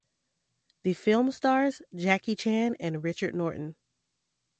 The film stars Jackie Chan and Richard Norton.